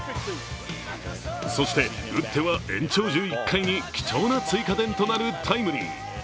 そして、打っては延長１１回に貴重な追加点となるタイムリー。